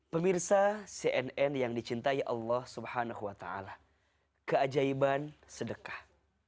pemirsa cnn yang dicintai allah swt keajaiban sedekah